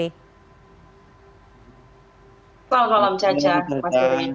selamat malam caca